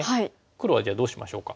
黒はじゃあどうしましょうか。